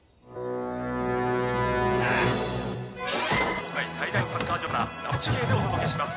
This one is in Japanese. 国内最大のサッカー場から生中継でお届けします。